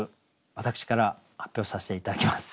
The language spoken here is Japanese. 私から発表させて頂きます。